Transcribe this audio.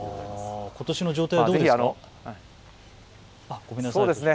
ことしの状態はどうですか。